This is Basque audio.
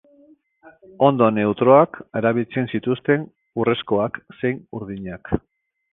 Hondo neutroak erabiltzen zituzten, urrezkoak zein urdinak.